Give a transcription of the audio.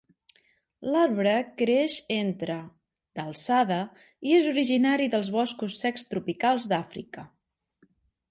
L'arbre creix entre (...) d'alçada i és originari dels boscos secs tropicals d'Àfrica.